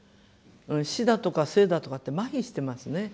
死だとか生だとかってまひしてますね。